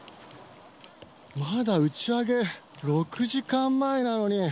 まだ打ち上げ６時間前なのに。